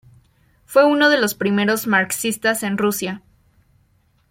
Fue uno de los primeros marxistas en Rusia.